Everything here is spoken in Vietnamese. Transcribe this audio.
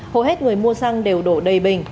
hầu hết người mua xăng đều đổ đầy bình